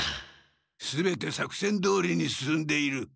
全て作戦どおりに進んでいる。